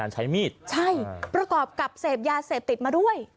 ใช่ประกอบกับเยาะแยร์เศษติดมาด้วย